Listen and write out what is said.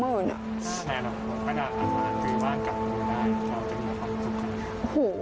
แล้วจะมีความสุขค่ะ